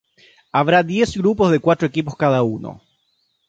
Habrá diez grupos de cuatro equipos cada uno.